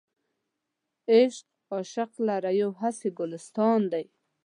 عشق عاشق لره یو هسې ګلستان دی.